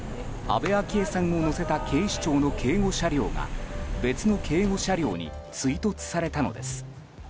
安倍昭恵さんを乗せた警視庁の警護車両が別の警護車両に追突されたのです。